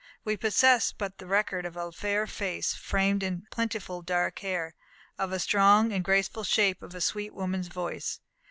We possess but the record of a fair face framed in plentiful dark hair, of a strong and graceful shape, of a sweet woman's voice.